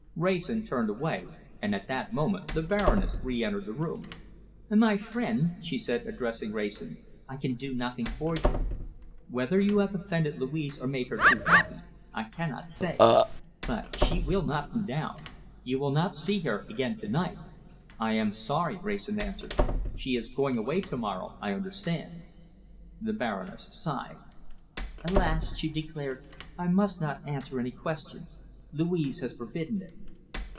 Wrayson turned away, and at that moment the Baroness re entered the room. "My friend," she said, addressing Wrayson, "I can do nothing for you. Whether you have offended Louise or made her too happy, I cannot say. But she will not come down. You will not see her again to night." "I am sorry," Wrayson answered. "She is going away to morrow, I understand?" The Baroness sighed. "Alas!" she declared, "I must not answer any questions. Louise has forbidden it."